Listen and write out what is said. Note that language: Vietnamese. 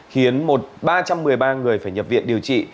khiến ba trăm một mươi ba người phải nhập viện điều trị